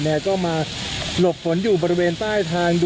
เนี้ยก็มาหลบฝนอยู่บริเวณใต้ทางดว่าอนพิรษฐว